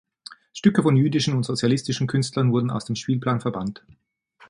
Stücke von jüdischen und sozialistischen Künstlern wurden aus dem Spielplan verbannt.